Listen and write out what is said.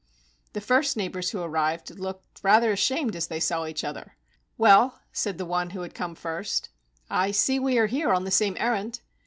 The first neighbors who arrived looked rather ashamed as they saw each other. "Well," said the one who had come first, "I see we are here on the same errand.